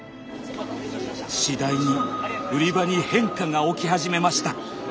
次第に売り場に変化が起き始めました。